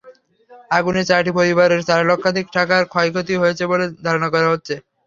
আগুনে চারটি পরিবারের চার লক্ষাধিক টাকার ক্ষয়ক্ষতি হয়েছে বলে ধারণা করা হচ্ছে।